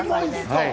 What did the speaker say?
はい。